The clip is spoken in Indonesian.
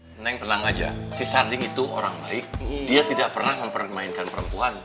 hai neng tenang aja si sarding itu orang baik dia tidak pernah mempermainkan perempuan